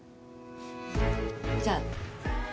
じゃあ。